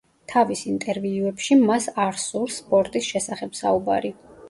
თავის ინტერვიუებში მას არ სურს სპორტის შესახებ საუბარი.